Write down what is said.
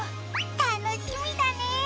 楽しみだね。